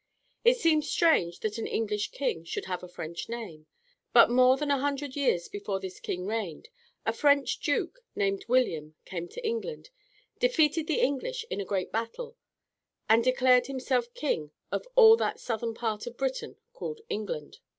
It seems strange that an English king should have a French name. But more than a hundred years before this king reigned, a French duke named William came to England, defeated the English in a great battle, and declared himself king of all that southern part of Britain called England.